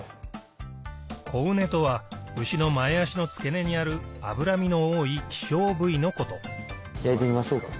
コウネとは牛の前脚の付け根にある脂身の多い希少部位のこと焼いていきましょう。